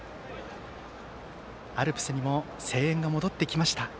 アルプスにも声援が戻ってきました。